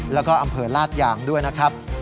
แล้วก็อำเภอลาดยางด้วยนะครับ